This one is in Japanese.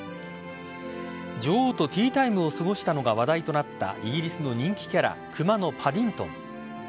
女王とティータイムを過ごしたのが話題となったイギリスの人気キャラ「くまのパディントン」